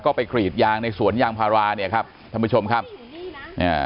ก็ไปกรีดยางในสวนยางพาราเนี่ยครับท่านผู้ชมครับอ่า